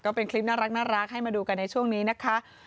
ก็เป็นคลิปน่ารักให้มาดูกันในช่วงนี้นะคะ